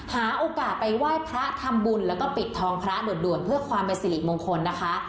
หาโอกาสไปไหว้พระทำบุญแล้วก็ปิดทองพระด่วนเพื่อความเป็นสิริมงคลนะคะ